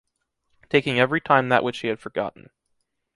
Taking every time that which he had forgotten